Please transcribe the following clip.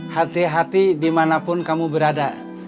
hati hati dimanapun kamu berada